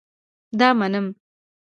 دا نه منم